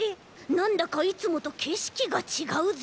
なんだかいつもとけしきがちがうぞ。